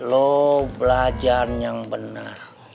lo belajar yang benar